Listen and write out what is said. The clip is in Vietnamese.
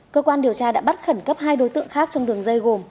cơ quan điều tra đã bắt khẩn cấp hai đối tượng khác trong đường dây gồm